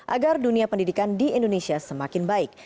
agar dunia pendidikan di indonesia semakin baik